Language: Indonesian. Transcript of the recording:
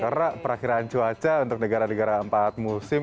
karena perakiran cuaca untuk negara negara empat musim